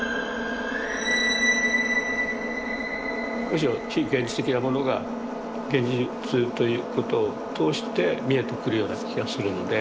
むしろ非現実的なものが現実ということを通して視えてくるような気がするので。